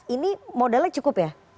ini modalnya cukup ya